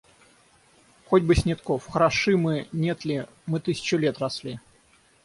Хоть бы Снетков... Хороши мы, нет ли, мы тысячу лет росли.